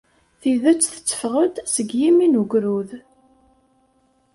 Tidet tetteffeɣ-d seg yimi n ugrud.